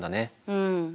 うん。